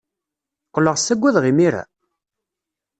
Qqleɣ ssaggadeɣ imir-a?